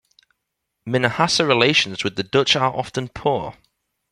Minahasa relations with the Dutch are often poor.